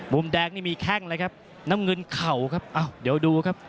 มุมแดงนี่มีแข้งเลยครับน้ำเงินเข่าครับอ้าวเดี๋ยวดูครับ